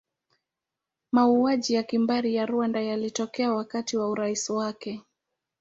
Mauaji ya kimbari ya Rwanda yalitokea wakati wa urais wake.